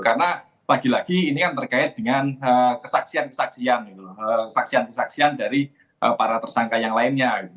karena lagi lagi ini kan terkait dengan kesaksian kesaksian dari para tersangka yang lainnya